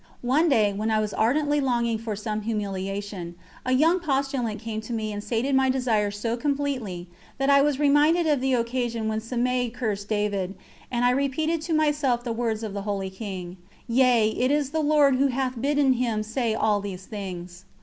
One day, when I was ardently longing for some humiliation, a young postulant came to me and sated my desire so completely, that I was reminded of the occasion when Semei cursed David, and I repeated to myself the words of the holy King: "Yea, it is the Lord who hath bidden him say all these things."